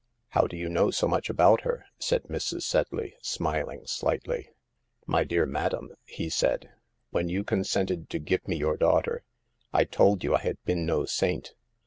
" 4 " How do you know so much about her ?" said Mrs. Sedley, smiling slightly. " 6 " My dear madam, 59 he said, " when you consented to give me your daughter, I told you I had been no saint.